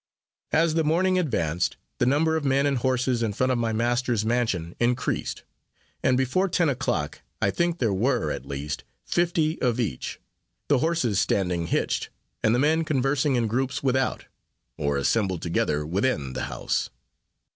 As the morning advanced, the number of men and horses in front of my master's mansion increased; and before ten o'clock I think there were, at least, fifty of each the horses standing hitched and the men conversing in groups without, or assembled together within the house.